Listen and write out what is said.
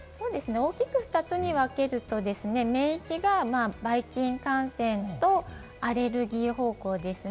大きく２つに分けると免疫が、バイ菌感染と、アレルギー方向ですね。